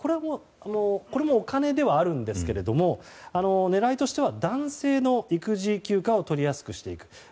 これもお金ではあるんですけれども狙いとしては男性の育児休暇を取りやすくしていく。